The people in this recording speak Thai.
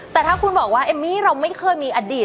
แต่ถ้าคุณบอกว่าเอมมี่เราไม่เคยมีอดีต